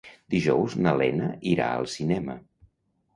Dijous na Lena irà al cinema.